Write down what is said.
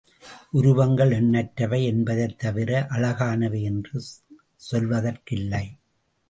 உருவங்கள் எண்ணற்றவை என்பதைத் தவிர அழகானவை என்று சொல்வதற்கில்லை.